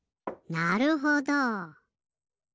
なるほど。